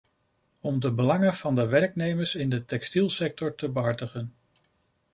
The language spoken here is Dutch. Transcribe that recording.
Om de belangen van de werknemers in de textielsector te behartigen…